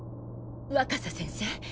若狭先生